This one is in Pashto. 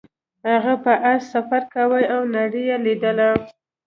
هغه په اس سفر کاوه او نړۍ یې لیدله.